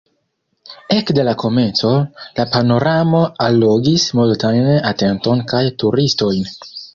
Ekde la komenco, la panoramo allogis multajn atenton kaj turistojn.